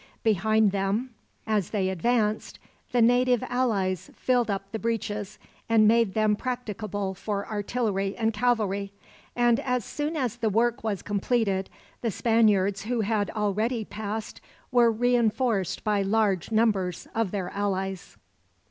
Behind them, as they advanced, the native allies filled up the breaches, and made them practicable for artillery and cavalry; and as soon as the work was completed, the Spaniards who had already passed were reinforced by large numbers of their allies.